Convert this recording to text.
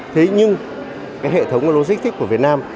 thế nhưng cái hệ thống logistic của việt nam